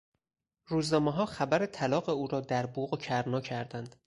روزنامهها خبر طلاق او را در بوق و کرنا کردند.